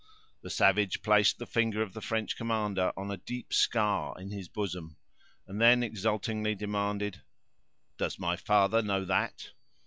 The savage placed the fingers of the French commander on a deep scar in his bosom, and then exultingly demanded: "Does my father know that?"